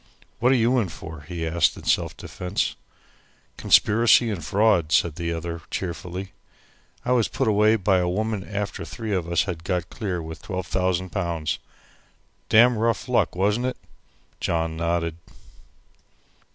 "What are you in for?" he asked in self defence. "Conspiracy and fraud," said the other cheerfully. "I was put away by a woman after three of us had got clear with 12,000 pounds. Damn rough luck, wasn't it?" John nodded.